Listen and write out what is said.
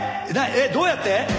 えっどうやって？